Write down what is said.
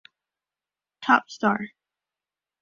Top Star.